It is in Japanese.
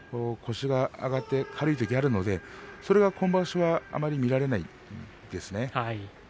腰が上がって軽いときがあるので今場所はあまり見られないですね。